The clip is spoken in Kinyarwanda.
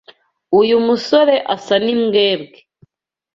Uyu musore asa nimbwebwe.